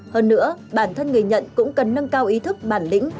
hơn nữa bản thân người nhận cũng cần nâng cao ý thức bản lĩnh